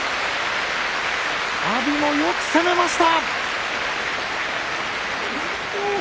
阿炎もよく攻めました。